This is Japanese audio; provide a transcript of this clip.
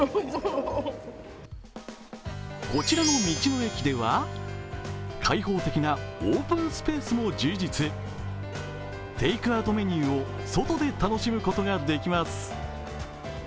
こちらの道の駅では開放的なオープンスペースも充実、テイクアウメニューを外で楽しむことができます。